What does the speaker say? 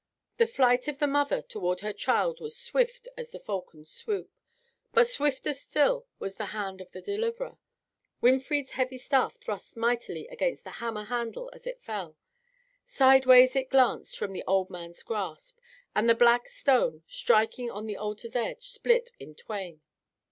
The flight of the mother toward her child was swift as the falcon's swoop. But swifter still was the hand of the deliverer. Winfried's heavy staff thrust mightily against the hammer's handle as it fell. Sideways it glanced from the old man's grasp, and the black stone, striking on the altar's edge, split in twain.